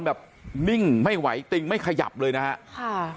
แบบนิ่งไม่ไหวติงไม่ขยับเลยนะฮะค่ะ